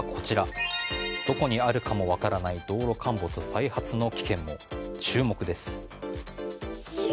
どこにあるかも分からない道路陥没再発の危険も。